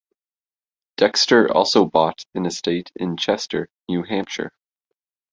Dexter also bought an estate in Chester, New Hampshire.